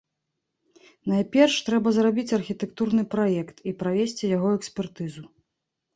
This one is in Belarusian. Найперш, трэба зрабіць архітэктурны праект і правесці яго экспертызу.